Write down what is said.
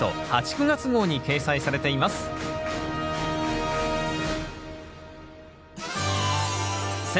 ９月号に掲載されています選